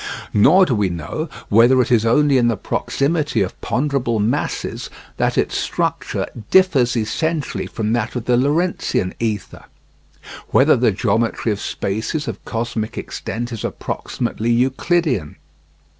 Nor do we know whether it is only in the proximity of ponderable masses that its structure differs essentially from that of the Lorentzian ether; whether the geometry of spaces of cosmic extent is approximately Euclidean.